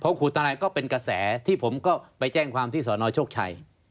ข่มขู่ธนายก็เป็นกระแสที่ผมก็ไปแจ้งความิวที่สชกชัย